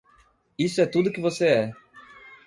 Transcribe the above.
Isso é tudo que você é.